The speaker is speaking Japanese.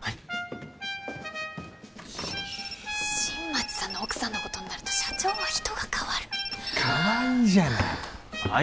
はい新町さんの奥さんのことになると社長は人が変わるかわいいじゃないああ